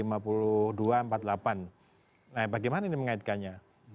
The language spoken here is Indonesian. nah bagaimana ini mengaitkannya